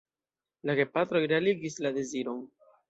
La gepatroj realigis la deziron.